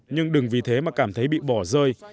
nhưng đừng vì thế mà cảm thấy bị bỏ rơi